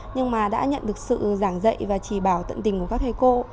nhưng mà đã nhận được sự giảng dạy và chỉ bảo tận tình của các thầy cô